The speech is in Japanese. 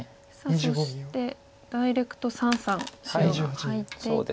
そしてダイレクト三々白が入っていって。